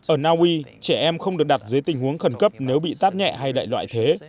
ở naui trẻ em không được đặt dưới tình huống khẩn cấp nếu bị tát nhẹ hay đại loại thế